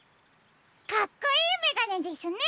かっこいいめがねですね。